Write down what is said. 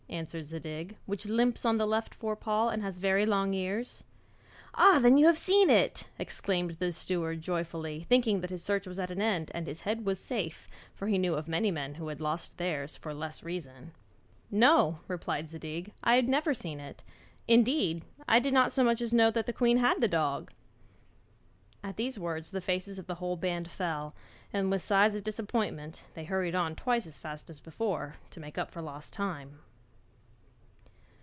answered Zadig, 'which limps on the left fore paw, and has very long ears?' 'Ah then, you have seen it!' exclaimed the steward joyfully, thinking that his search was at an end and his head was safe, for he knew of many men who had lost theirs for less reason. 'No,' replied Zadig, 'I have never seen it. Indeed, I did not so much as know that the queen had a dog.' At these words the faces of the whole band fell, and with sighs of disappointment they hurried on twice as fast as before, to make up for lost time.